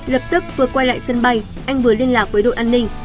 lập tức vừa quay lại sân bay anh vừa liên lạc với đội an ninh